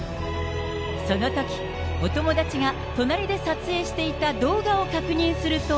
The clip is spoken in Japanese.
そのとき、お友達が隣で撮影していた動画を確認すると。